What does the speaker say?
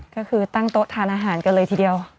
ก็คือตั้งโต๊ะทานอาหารกันเลยทีเดียว